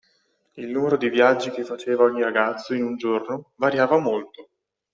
Il numero dei viaggi che faceva ogni ragazzo in un giorno variava molto